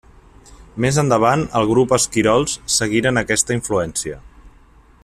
Més endavant, el grup Esquirols seguiren aquesta influència.